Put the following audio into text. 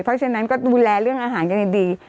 เพราะฉะนั้นก็ดูแลเรื่องอาหารกันให้ดี